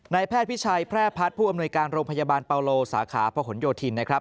แพทย์พิชัยแพร่พัฒน์ผู้อำนวยการโรงพยาบาลเปาโลสาขาพหนโยธินนะครับ